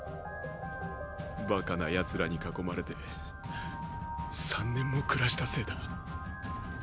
バカな奴らに囲まれて３年も暮らしたせいだ。